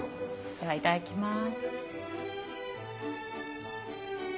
ではいただきます。